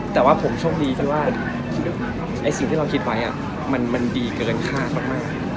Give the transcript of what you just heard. แต่ว่าผมโชคดีกันว่าสิ่งที่เราคิดไว้มันดีเกินค่ามาก